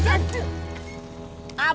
media characteristics kayaknya